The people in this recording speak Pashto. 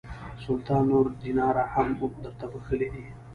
سلطان نور دیناره هم درته بخښلي دي.